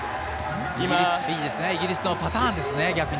イギリスのパターンですね。